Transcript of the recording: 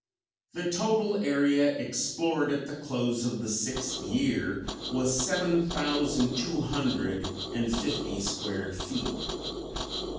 The total area explored at the close of the sixth year was seven thousand two hundred and fifty square feet.